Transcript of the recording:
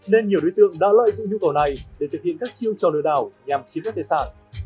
nên nhiều đối tượng đã lợi dựng nhu cầu này để thực hiện các chiêu trò nửa đảo nhằm chiếm các tài sản